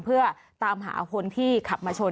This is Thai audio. เพื่อตามหาคนที่ขับมาชน